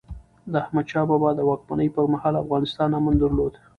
د احمد شاه بابا د واکمنۍ پرمهال، افغانستان امن درلود.